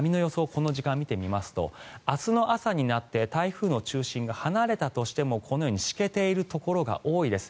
この時間、見てみますと明日の朝になって台風の中心が離れたとしてもこのようにしけているところが多いです。